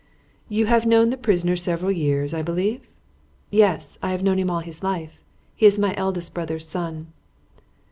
"You have known the prisoner several years, I believe?" "Yes; I have known him all his life. He is my eldest brother's son."